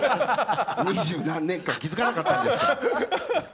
二十何年間気付かなかったんですか。